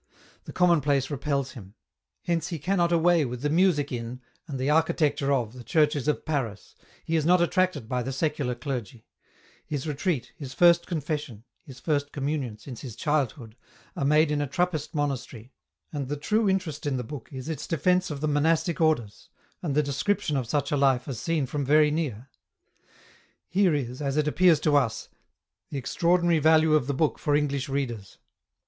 The commonplace repels him. Hence he cannot away with the music in, and the architecture of the churches of Paris, he is not attracted b 3t translator's note. by the secular clergy ; his retreat, his first confession, his first Communion since his childhood are made in a Trappist monastery, and the true interest in the book is its defence of the Monastic Orders, and the description of such a life as seen from very near. Here is, as it appears to us, the extra ordinary value of the book for English readers.